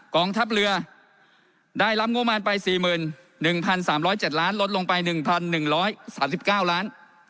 กองทัพเรือได้รับงบมารไป๔๑๓๐๗ล้านลดลงไป๑๑๓๙ล้าน